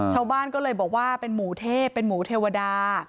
ชาวบ้านก็เลยบอกว่าเป็นหมูเทพเป็นหมูเทวดา